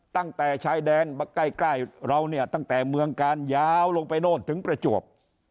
ตั้งแต่ชายแดนมาใกล้เราเนี่ยตั้งแต่เมืองกาลยาวลงไปโน่นถึงประจวบ